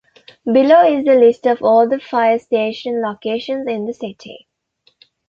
Below is a list of all of the fire station locations in the city.